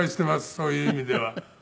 そういう意味では。